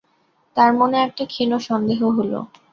তাঁর মনে একটা ক্ষীণ সন্দেহ হল!